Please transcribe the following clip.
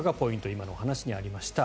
今のお話にありました。